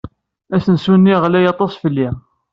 Asensu-nni ɣlay aṭas fell-i.